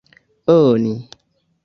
oni